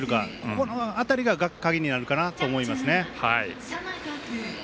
この辺りが鍵になるかなと思いますね。